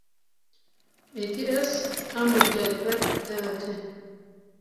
Êdî ez, em û gel ber bi te ve tên